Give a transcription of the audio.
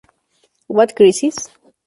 What Crisis?".